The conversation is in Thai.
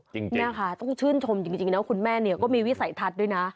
จริงเนี่ยค่ะต้องชื่นชมจริงนะคุณแม่เนี่ยก็มีวิสัยทัศน์ด้วยนะ